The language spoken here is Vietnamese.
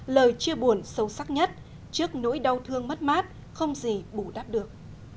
lời chia buồn sâu sắc nhất trước nỗi đau thương mất mát không gì bù đắp được